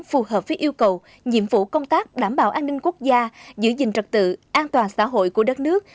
phù hợp với yêu cầu nhiệm vụ công tác đảm bảo an ninh quốc gia giữ gìn trật tự an toàn xã hội của đất nước